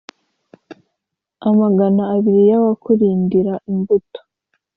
amagana abiri y’abakurindira imbuto.